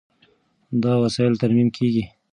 دا وسایل ترمیم کېږي.